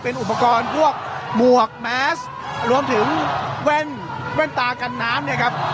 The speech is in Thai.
อุปกรณ์พวกหมวกแมสรวมถึงแว่นตากันน้ำเนี่ยครับ